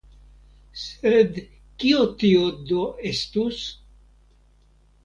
Sed kio tio do estus?